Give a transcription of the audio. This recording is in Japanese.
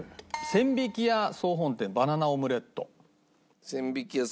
千疋屋総本店バナナオムレット。